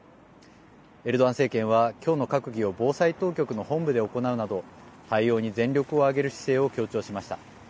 エルドアン政権は今日の閣議を防災当局の本部で行うなど対応に全力を挙げる姿勢を強調しました。